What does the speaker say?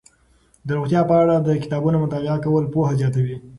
د روغتیا په اړه د کتابونو مطالعه کول پوهه زیاتوي.